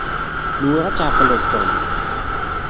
Nwiɣ ad tɛeqleḍ Tom.